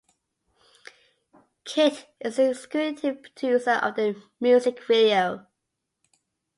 Kit is the executive producer of the music video.